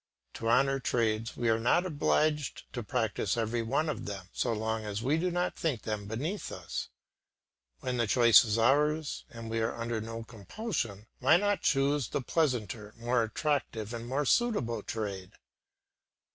To honour trades we are not obliged to practise every one of them, so long as we do not think them beneath us. When the choice is ours and we are under no compulsion, why not choose the pleasanter, more attractive and more suitable trade.